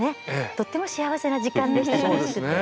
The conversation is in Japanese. とっても幸せな時間でした楽しくて。